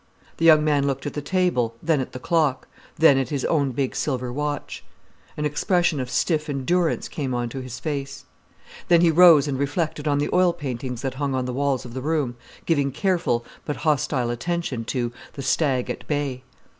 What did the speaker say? The young man looked at the table, then at the clock, then at his own big silver watch. An expression of stiff endurance came on to his face. Then he rose and reflected on the oil paintings that hung on the walls of the room, giving careful but hostile attention to "The Stag at Bay".